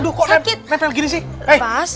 aduh kok nempel begini sih